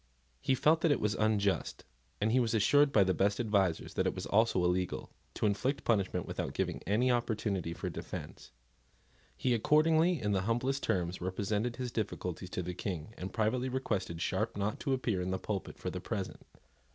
He felt that it was unjust, and he was assured by the best advisers that it was also illegal, to inflict punishment without giving any opportunity for defence. He accordingly, in the humblest terms, represented his difficulties to the King, and privately requested Sharp not to appear in the pulpit for the present.